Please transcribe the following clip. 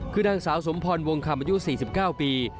คือนางสาวสมพรวงคำอายุ๔๙ปี